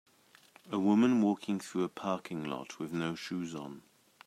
A woman walking through a parking lot with no shoes on.